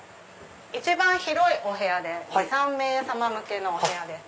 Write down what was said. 一番広いお部屋で２３名様向けのお部屋です。